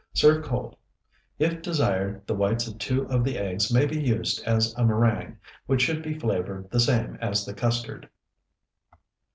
Serve cold. If desired, the whites of two of the eggs may be used as a meringue, which should be flavored the same as the custard.